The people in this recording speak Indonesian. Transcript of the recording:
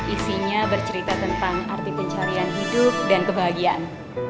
isinya bercerita tentang arti pencarian hidup dan kebahagiaan